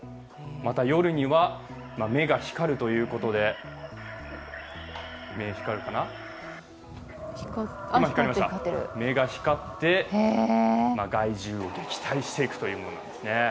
また、夜には目が光るということで今、光りました、目が光って害獣を撃退していくというものなんですね。